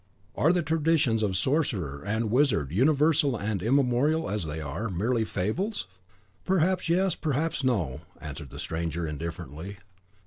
"Are the traditions of sorcerer and wizard, universal and immemorial as they are, merely fables?" "Perhaps yes, perhaps no," answered the stranger, indifferently.